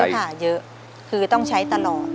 ค่ะเยอะคือต้องใช้ตลอด